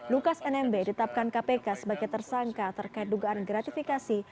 lukas nmb ditetapkan kpk sebagai tersangka terkait dugaan gratifikasi